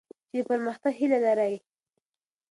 چي د پرمختګ هیله لرئ.